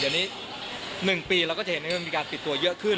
เดี๋ยวนี้๑ปีเราก็จะเห็นว่ามีการปิดตัวเยอะขึ้น